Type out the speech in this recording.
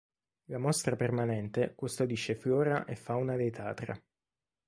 La mostra permanente custodisce flora e fauna dei Tatra.